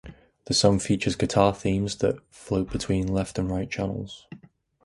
The song features guitar themes that float between left and right channels.